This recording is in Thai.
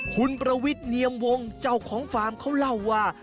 คุณประวิทย์เนียมวงเจ้าของฟาร์มเขาเล่าว่า